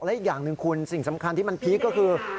และอีกอย่างหนึ่งคุณสิ่งสำคัญที่มันพีคก็คือ